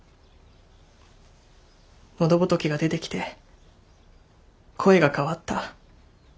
喉仏が出てきて声が変わった。